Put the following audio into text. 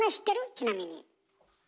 ちなみに。